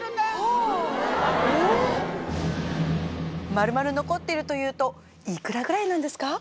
まるまる残っているというといくらぐらいなんですか？